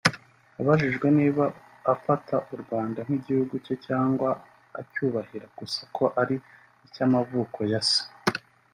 Abajijwe niba afata u Rwanda nk’igihugu cye cyangwa acyubahira gusa ko ari icy’amavuko ya Se